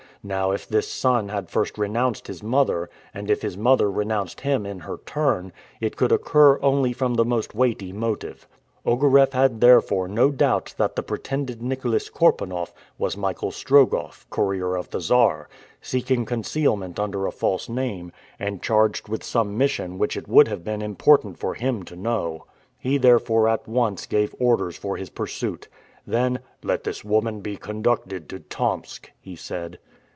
Now if this son had first renounced his mother, and if his mother renounced him in her turn, it could occur only from the most weighty motive. Ogareff had therefore no doubt that the pretended Nicholas Korpanoff was Michael Strogoff, courier of the Czar, seeking concealment under a false name, and charged with some mission which it would have been important for him to know. He therefore at once gave orders for his pursuit. Then "Let this woman be conducted to Tomsk," he said.